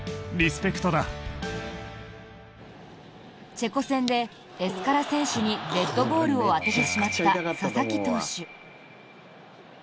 チェコ戦でエスカラ選手にデッドボールを当ててしまった佐々木投手。